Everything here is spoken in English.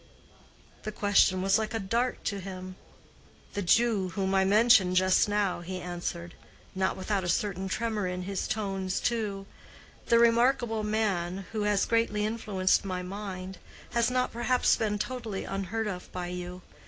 The question was like a dart to him. "The Jew whom I mentioned just now," he answered, not without a certain tremor in his tones too, "the remarkable man who has greatly influenced my mind, has not perhaps been totally unheard of by you.